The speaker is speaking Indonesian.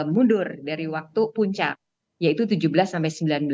mundur dari waktu puncak yaitu tujuh belas sampai sembilan belas